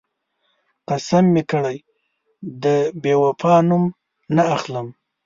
قسم مې کړی، د بېوفا نوم نه اخلم.